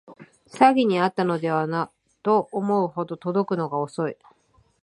詐欺にあったのではと思うほど届くのが遅い